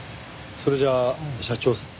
それじゃあ社長さん？